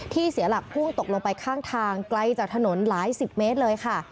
เสียหลักพุ่งตกลงไปข้างทางไกลจากถนนหลายสิบเมตรเลยค่ะ